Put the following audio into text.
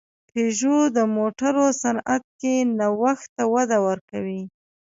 پيژو د موټرو صنعت کې نوښت ته وده ورکوي.